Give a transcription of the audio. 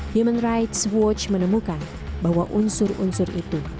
human rights watch menemukan bahwa unsur unsur itu